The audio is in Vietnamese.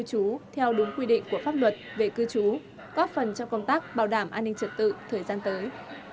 do đúng quy định của pháp luật về cư trú góp phần cho công tác bảo đảm an ninh trật tự thời gian tới